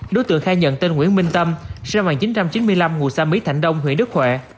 đối tượng khai nhận tên nguyễn minh tâm xe bằng chín trăm chín mươi năm hù sa mỹ thạnh đông huyện đức huệ